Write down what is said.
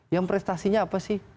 yang prestasinya apa sih